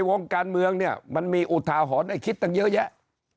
วงการเมืองเนี่ยมันมีอุทาหรณ์ให้คิดตั้งเยอะแยะ